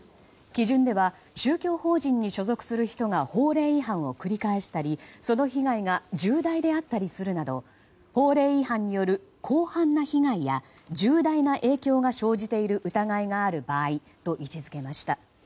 基準では宗教法人に所属する人が法令違反を繰り返したりその被害が重大であったりするなど法令違反による広範な被害や重大な影響が生じている疑いがある場合と位置づけました。